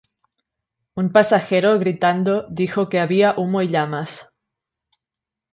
Un pasajero, gritando, dijo que "había humo y llamas.